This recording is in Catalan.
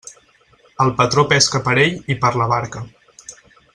El patró pesca per ell i per la barca.